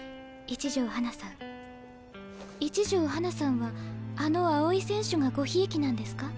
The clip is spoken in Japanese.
一条花さんはあの青井選手がごひいきなんですか？